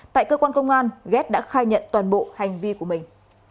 tại cơ quan công an ghét đã khai nhận toàn bộ hành vi của mình